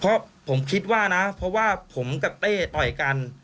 เพราะผมคิดว่านะเพราะว่าผมกับเต้ต่อยกัน